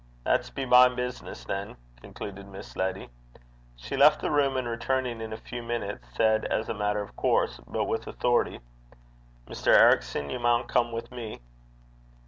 'That s' be my business, than,' concluded Miss Letty. She left the room, and returning in a few minutes, said, as a matter of course, but with authority, 'Mr. Ericson, ye maun come wi' me.'